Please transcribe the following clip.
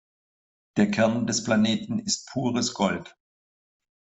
Der Kern des Planeten ist pures Gold.